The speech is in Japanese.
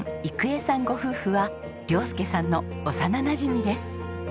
郁枝さんご夫婦は亮佑さんの幼なじみです。